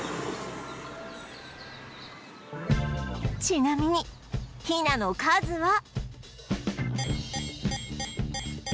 ちなみにヒナの数は